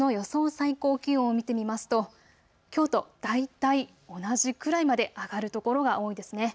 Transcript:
最高気温を見てみますときょうと大体、同じくらいまで上がる所が多いですね。